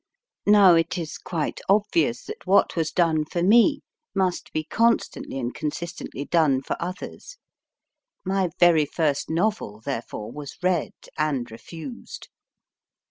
Now it is quite obvious that what was done for me must be constantly and consistently done for others. My very first novel, therefore, was read and refused.